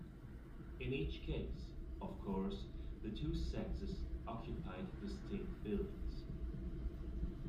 In each case, of course, the two sexes occupied distinct buildings.